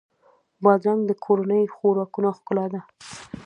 بادرنګ د کورنیو خوراکونو ښکلا ده.